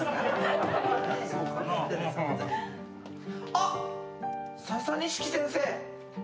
あっササニシキ先生。